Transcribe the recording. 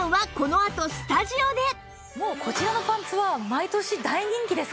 もうこちらのパンツは毎年大人気ですからね。